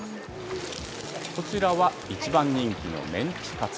こちらは一番人気のメンチカツ。